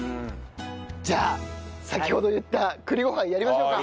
じゃあ先ほど言った栗ご飯やりましょうか。